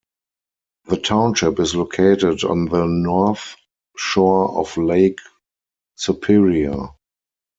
The township is located on the North Shore of Lake Superior.